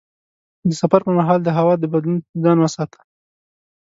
د سفر پر مهال د هوا له بدلون ځان وساته.